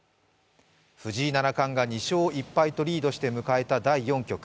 藤井七冠が２勝１敗とリードして迎えた第４局。